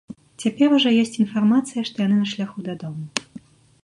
Цяпер ужо ёсць інфармацыя, што яны на шляху дадому.